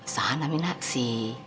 soalnya minah si